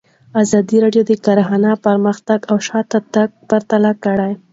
ازادي راډیو د کرهنه پرمختګ او شاتګ پرتله کړی.